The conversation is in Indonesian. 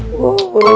ada ini ada ini